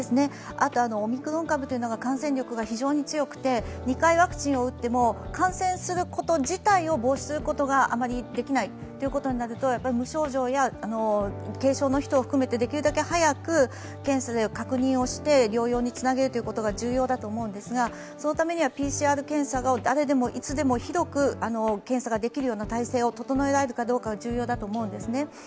オミクロン株というのが感染力が非常に強くて２回ワクチンを打っても感染すること自体を防止することがあまりできないということになると、無症状や軽症の人を含めてできるだけ早く検査で確認をして療養につなげることが重要だと思うんですが、そのためにはＰＣＲ検査を誰でもいつでも広く検査ができるような体制を整えられるかどうかが重要だと思うんですね。